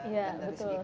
iya betul sangat